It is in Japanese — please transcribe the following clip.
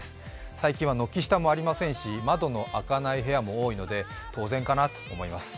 最近は軒下もありませんし窓の開かない部屋も多いので当然かなと思います。